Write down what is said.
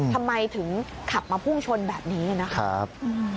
ทำไมถึงขับมาพุ่งชนแบบนี้นะครับ